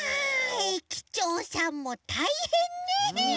駅長さんもたいへんね。